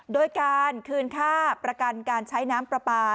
โดยการคืนค่าประกันการใช้น้ำปลาปลา